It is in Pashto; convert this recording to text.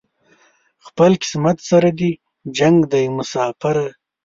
خپل قسمت سره دې جنګ دی مساپره